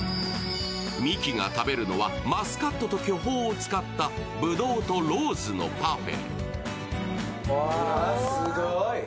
ミキが食べるのは、マスカットと巨峰を使ったブドウとローズのパフェ。